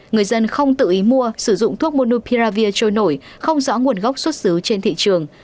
người dân không tự ý mua sử dụng thuốc monupiravir trôi nổi không rõ nguồn gốc xuất xứ trên thị trường